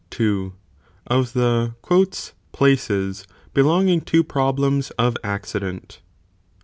IL—Of the " Places," belonging to Problems of Accident.